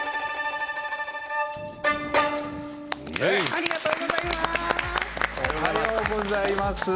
ありがとうございます。